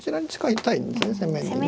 攻めにね。